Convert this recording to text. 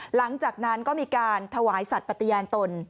หลังจากนั้นก็มีการถวายสัตว์ปฏิญาณตน